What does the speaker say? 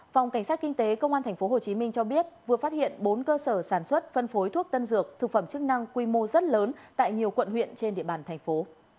phòng cảnh sát kinh tế công an tp hcm cho biết vừa phát hiện bốn cơ sở sản xuất phân phối thuốc tân dược thực phẩm chức năng quy mô rất lớn tại nhiều quận huyện trên địa bàn thành phố